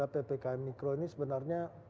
dalam noda ppkm mikro ini sebenarnya